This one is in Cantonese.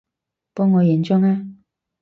幫我影張吖